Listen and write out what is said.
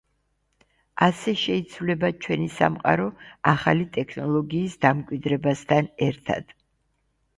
ასევე შეიცვლება ჩვენი სამყარო ახალი ტექნოლოგიის დამკვიდრებასთან ერთად.